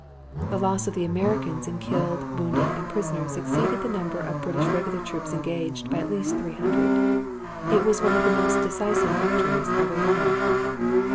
The loss of the Americans in killed, wounded, and prisoners exceeded the number of British regular troops engaged by at least 300. It was one of the most decisive victories ever won.